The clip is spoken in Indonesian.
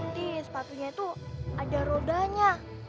nanti sepatunya itu ada rodanya